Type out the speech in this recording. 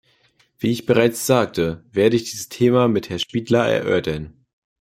Wie ich bereits sagte, werde ich dieses Thema mit Herrn Špidla erörtern.